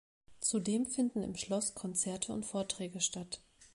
Zudem finden im Schloss Konzerte und Vorträge statt.